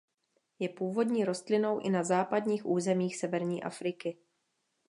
Je původní rostlinou i na západních územích severní Afriky.